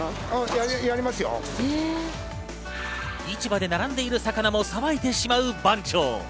市場で並んでいる魚もさばいてしまう番長。